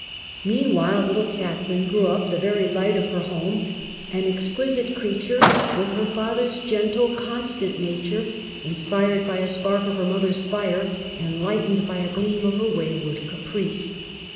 Meanwhile little Catharine grew up the very light of her home, an exquisite creature with her father's gentle, constant nature inspired by a spark of her mother's fire and lightened by a gleam of her wayward caprice.